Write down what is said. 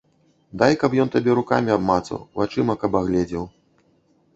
Дай, каб ён табе рукамі абмацаў, вачыма каб агледзеў.